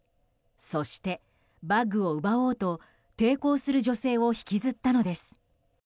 そして、バッグを奪おうと抵抗する女性を引きずったのです。